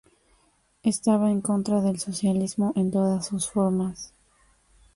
Estaba en contra del socialismo en todas sus formas.